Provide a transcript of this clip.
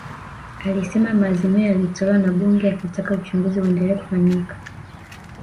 Alisema maazimio yaliyotolewa na Bunge ya kutaka uchunguzi uendelee kufanyika